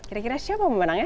kira kira siapa memenangnya